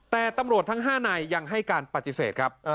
แต่ตำรวจทั้ง๕นายยังให้การปฏิเสธครับ